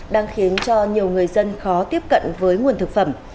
đang khiến cho nhiều người dân khó tiếp cận với nguồn thực phẩm